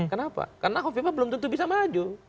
kenapa karena kofifa belum tentu bisa maju